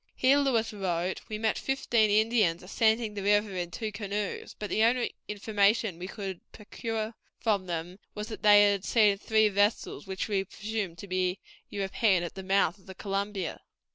Here, Lewis wrote, "we met fifteen Indians ascending the river in two canoes; but the only information we could procure from them was that they had seen three vessels, which we presumed to be European, at the mouth of the Columbia."